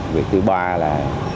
việc thứ ba là